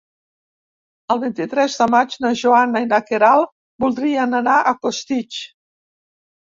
El vint-i-tres de maig na Joana i na Queralt voldrien anar a Costitx.